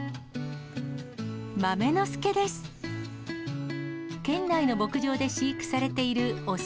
豆の助です。